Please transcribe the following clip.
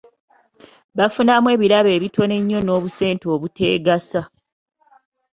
Bafunamu ebirabo ebitono ennyo n'obusente obuteegasa.